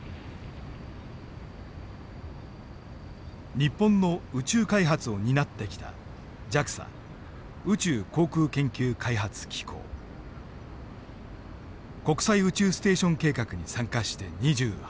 日本の宇宙開発を担ってきた国際宇宙ステーション計画に参加して２８年。